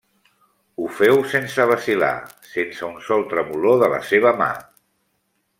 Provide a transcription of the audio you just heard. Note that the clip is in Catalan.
Ho féu sense vacil·lar, sense un sol tremolor de la seva mà.